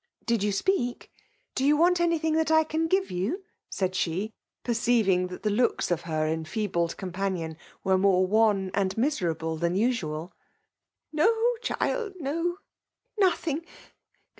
" Did you speak ? Do you want anything that I can give you V said she, perceiving that the looks of her enfeebled companion were iBOTe wan and miserable than usual. « No dnld 1 — no — ^nothing.